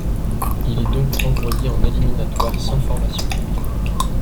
Il est donc envoyé en éliminatoire sans formation.